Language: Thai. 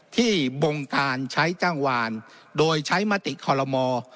ที่บ่งการใช้จ้างวานโดยใช้มติขอละมอ